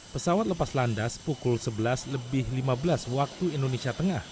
pesawat lepas landas pukul sebelas lebih lima belas waktu indonesia tengah